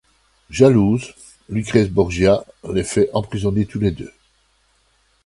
Jalouse, Lucrèce Borgia les fait emprisonner tous les deux.